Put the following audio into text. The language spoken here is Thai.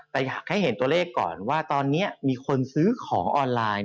แต่อยากให้เห็นตัวเลขก่อนว่าตอนนี้มีคนซื้อของออนไลน์